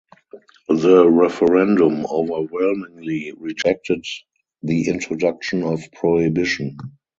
The referendum overwhelmingly rejected the introduction of prohibition.